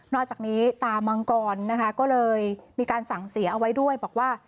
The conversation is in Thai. อกจากนี้ตามังกรนะคะก็เลยมีการสั่งเสียเอาไว้ด้วยบอกว่า